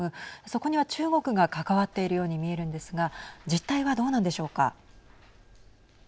そこには中国が関わっているように見えるんですが実態は、どうなんでしょうか。